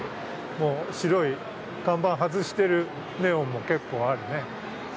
白い看板外しているネオンも結構あるね。